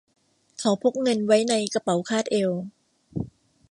เขาพกเงินไว้ในกระเป๋าคาดเอว